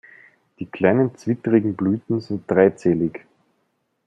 Die kleinen, zwittrigen Blüten sind dreizählig.